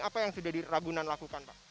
apa yang sudah diragunan lakukan pak